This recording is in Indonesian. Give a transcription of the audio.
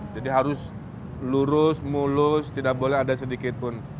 jadi harus lurus mulus tidak boleh ada sedikit pun